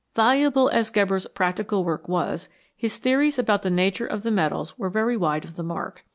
Valuable as Geber's practical work was, his theories about the nature of the metals were very wide of the mark.